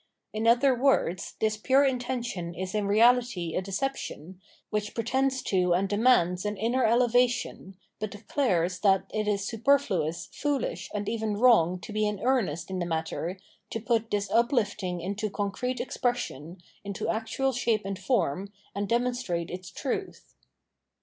In other words this pure intention is in reality a deception, which pretends to and demands an inner elevation, but declares that it is superfluous, foohsh, and even wrong to be in earnest in the matter, to put this uplifting into concrete expression, into actual shape and form, and demonstrate its truth.